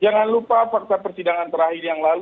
jangan lupa fakta persidangan terakhir yang lalu